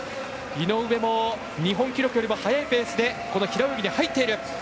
井上も日本記録よりも早いペースでこの平泳ぎに入っている。